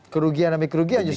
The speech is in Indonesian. kerugian demi kerugian justru